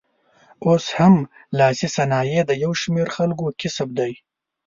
اوس هم لاسي صنایع د یو شمېر خلکو کسب دی.